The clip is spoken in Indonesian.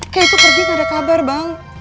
k itu pergi gak ada kabar bang